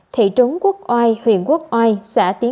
thị trấn quốc oai huyện quốc oai